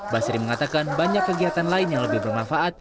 basri mengatakan banyak kegiatan lain yang lebih bermanfaat